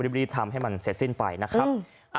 รีบทำให้มันเสร็จสิ้นไปนะครับ